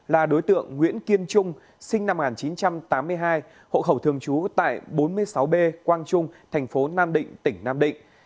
là đối tượng nguyễn kiên trung sinh năm một nghìn chín trăm tám mươi hai hộ khẩu thường trú tại bốn mươi sáu b quang trung thành phố nam định tỉnh nam định